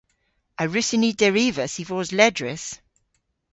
A wrussyn ni derivas y vos ledrys?